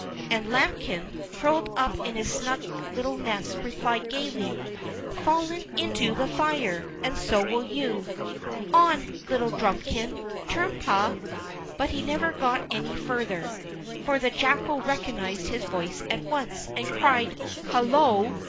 And Lambikin, curled up in his snug little nest, replied gaily: "Fallen into the fire, and so will you On, little Drumikin. Tum pa——" But he never got any farther, for the jackal recognized his voice at once, and cried: "Hullo!